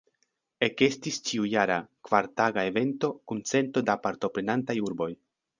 Ekestis ĉiujara, kvartaga evento kun cento da partoprenantaj urboj.